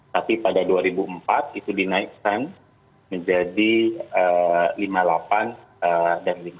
tapi pada dua ribu empat itu dinaikkan menjadi lima puluh delapan dan lima puluh